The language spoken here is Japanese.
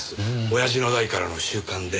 親父の代からの習慣で。